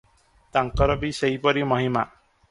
ତାଙ୍କର ବି ସେହିପର ମହିମା ।